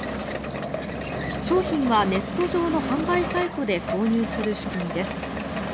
商品はネット上の販売サイトで購入する仕組みです。